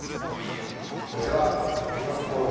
それでは「おんがくこうろん」